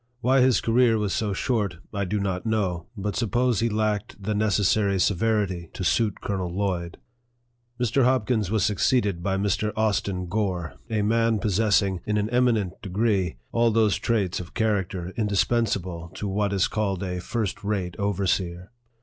Why his career was so short, I do not know, but suppose he lacked the necessary severity to suit Colonel Lloyd. Mr. Hopkins was succeeded by Mr. Austin Gore, a man possessing, in an eminent degree, all those traits of character indispensable to LIFE OF FREDERICK DOUGLASS. 21 what is called a first rate overseer.